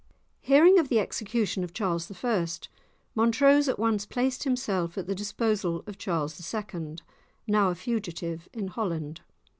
Hearing of the execution of Charles I., Montrose at once placed himself at the disposal of Charles II., now a fugitive in Holland.